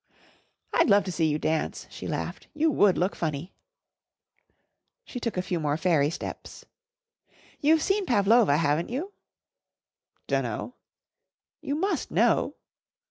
"I'd love to see you dance," she laughed. "You would look funny." She took a few more fairy steps. "You've seen Pavlova, haven't you?" "Dunno." "You must know."